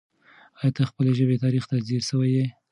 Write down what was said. آیا ته د خپلې ژبې تاریخ ته ځیر سوی یې؟